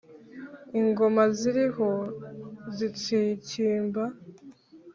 ingoma ziriho zitsikimba